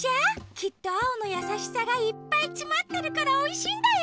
きっとアオのやさしさがいっぱいつまってるからおいしいんだよ！